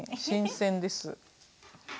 新鮮です。